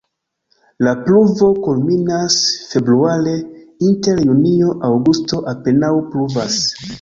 La pluvo kulminas februare, inter junio-aŭgusto apenaŭ pluvas.